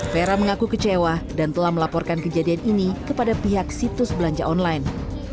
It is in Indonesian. vera mengaku kecewa dan telah melaporkan kejadian ini kepada pihak situs belanja online